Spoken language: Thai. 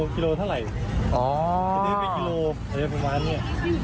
กิโลประมาณนี้